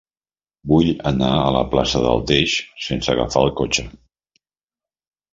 Vull anar a la plaça del Teix sense agafar el cotxe.